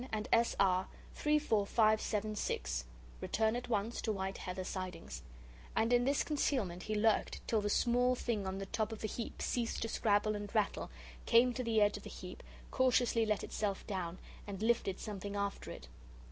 and S. R. 34576 Return at once to White Heather Sidings and in this concealment he lurked till the small thing on the top of the heap ceased to scrabble and rattle, came to the edge of the heap, cautiously let itself down, and lifted something after it.